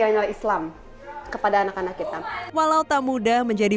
menu item persoalan otomatis malam jadi menang